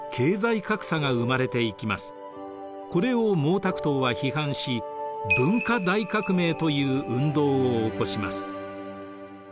これを毛沢東は批判し文化大革命という運動を起こします。